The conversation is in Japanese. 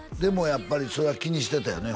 やっぱりそれは気にしてたよね